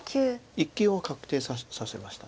生きを確定させました